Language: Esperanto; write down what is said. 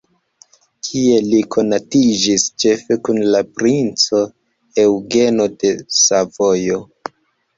Tie li konatiĝis, ĉefe kun la princo Eŭgeno de Savojo.